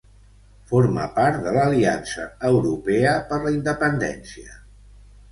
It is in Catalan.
Forma part de l'Aliança Europea per la Independència.